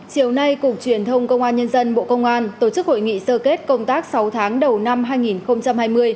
chiều nay cục truyền thông công an nhân dân bộ công an tổ chức hội nghị sơ kết công tác sáu tháng đầu năm hai nghìn hai mươi